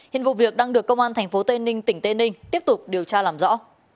hiện vụ việc đang được công an tp tây ninh tỉnh tây ninh tiếp tục điều tra làm rõ